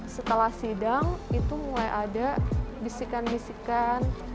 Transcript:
setelah sidang itu mulai ada bisikan bisikan